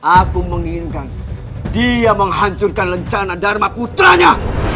aku menginginkan dia menghancurkan lencana dharma putranya